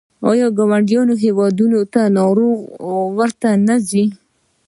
آیا له ګاونډیو هیوادونو ناروغان ورته نه ځي؟